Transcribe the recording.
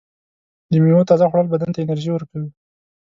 د میوو تازه خوړل بدن ته انرژي ورکوي.